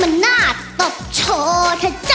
มันน่าตบโชว์ถ้าเจอ